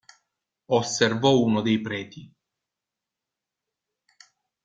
Osservò uno dei preti.